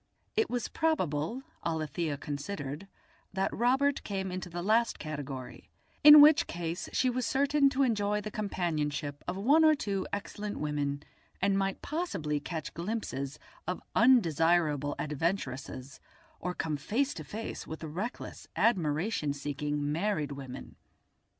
It was probable, Alethia considered, that Robert came into the last category, in which case she was certain to enjoy the companionship of one or two excellent women, and might possibly catch glimpses of undesirable adventuresses or come face to face with reckless admiration seeking married women.